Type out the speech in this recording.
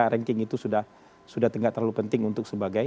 ranking itu sudah tidak terlalu penting untuk sebagai